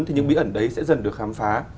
thì những bí ẩn đấy sẽ dần được khám phá